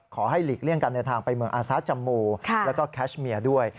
หลีกเลี่ยงการเดินทางไปเมืองอาซาจำมูแล้วก็แคชเมียด้วย